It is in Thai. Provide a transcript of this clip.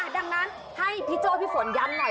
ดังนั้นให้พี่โจ้พี่ฝนย้ำหน่อย